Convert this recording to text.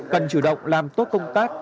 cần chủ động làm tốt công tác